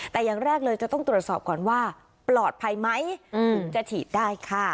แต่อย่างแรกเลยจะต้องตรวจสอบก่อนว่าปลอดภัยไหมถึงจะฉีดได้ค่ะ